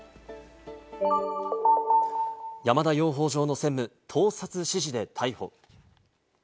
山田養蜂場の専務、盗撮指示で逮捕。